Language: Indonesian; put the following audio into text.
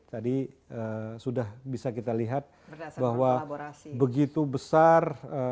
tadi sudah bisa kita lihat bahwa begitu besar